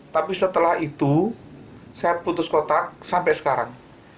tapi setelah itu saya putus kotak sampai sekarang